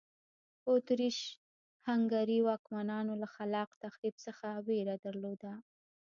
په اتریش هنګري واکمنانو له خلاق تخریب څخه وېره درلوده.